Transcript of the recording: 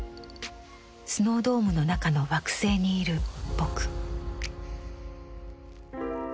スノードームの中の惑星にいる「ぼく」。